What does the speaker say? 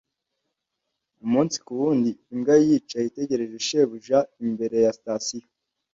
Umunsi kuwundi, imbwa yicaye itegereje shebuja imbere ya sitasiyo.